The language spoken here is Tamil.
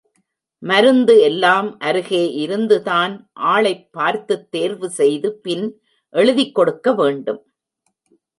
மருந்து எல்லாம் அருகே இருந்துதான் ஆளைப் பார்த்துத் தேர்வு செய்து பின் எழுதிக் கொடுக்க வேண்டும்.